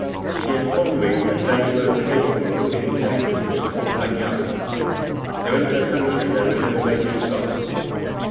She informed me that they were capable of being tamed if caught when young, though in her country they were never made use of.